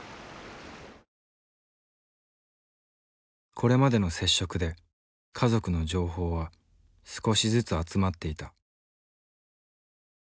これまでの接触で家族の情報は少しずつ集まっていた。